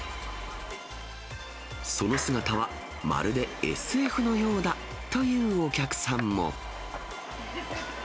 その姿は、まるでＳＦのようだというお客さんも。